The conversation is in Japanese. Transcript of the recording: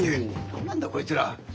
何なんだこいつら。